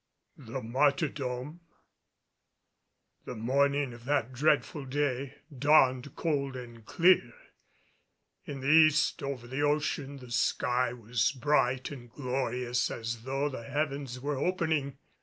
THE MARTYRDOM. The morning of that dreadful day dawned cold and clear. In the east over the ocean the sky was bright and glorious as though the heavens were opening.